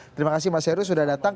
terima kasih mas heru sudah datang